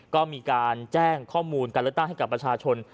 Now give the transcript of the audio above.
ก็มีการแจ้งข้อมูลการเลือกตั้งให้กับประชาชน